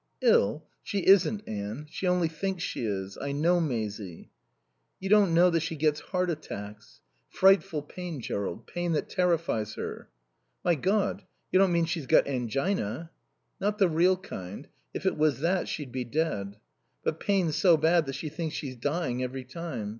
"Ill? She isn't, Anne. She only thinks she is. I know Maisie." "You don't know that she gets heart attacks. Frightful pain, Jerrold, pain that terrifies her." "My God you don't mean she's got angina?" "Not the real kind. If it was that she'd be dead. But pain so bad that she thinks she's dying every time.